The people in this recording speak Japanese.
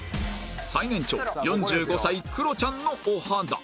最年長４５歳クロちゃんのお肌